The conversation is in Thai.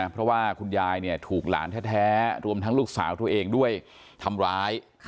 เพราะว่าคุณยายถูกหลานแท้รวมทั้งลูกสาวตัวเองด้วยทำร้าย